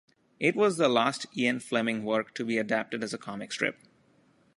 It was the last Ian Fleming work to be adapted as a comic strip.